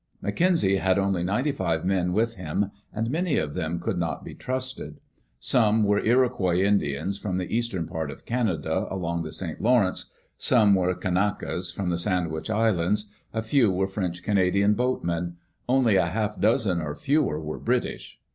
McKenzie had only ninety five men with him, and many of them could not be trusted. Some were Iroquois Indians Digitized by CjOOQ IC EARLY DAYS IN OLD OREGON from the eastern part of Canada, along the St Lawrence ; some were Kanakas from the Sandwich Islands; a few were French Canadian boatmen; only a half dozen or fewer were British.